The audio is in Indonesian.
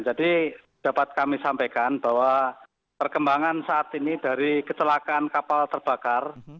jadi dapat kami sampaikan bahwa perkembangan saat ini dari kecelakaan kapal terbakar